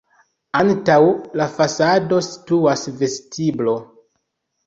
Antaŭ la fasado situas vestiblo.